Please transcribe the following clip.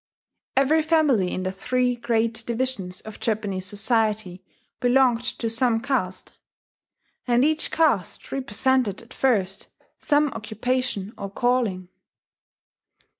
Every family in the three great divisions of Japanese society belonged to some caste; and each caste represented at first some occupation or calling.